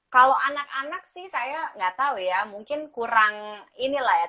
kalau anak anak sih saya nggak tahu ya mungkin kurang inilah ya